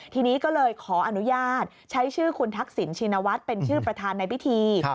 ทีนี้ก็เลยขออนุญาตใช้ชื่อคุณทักษิณชินวัฒน์เป็นชื่อประธานในพิธี